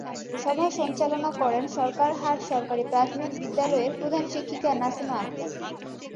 সভা সঞ্চালনা করেন সরকারহাট সরকারি প্রাথমিক বিদ্যালয়ের প্রধান শিক্ষিকা নাছিমা আক্তার।